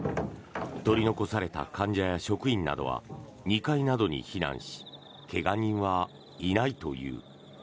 取り残された患者や職員などは２階などに避難し怪我人はいないという。